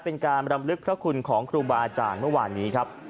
เป็นการรำลึกพระคุณของครูบาอาจารย์เมื่อวานนี้ครับ